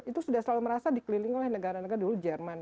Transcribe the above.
itu sudah selalu merasa dikelilingi oleh negara negara dulu jerman